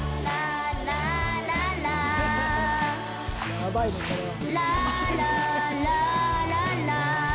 ヤバいねこれは。